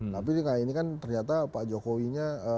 tapi ini kan ternyata pak jokowinya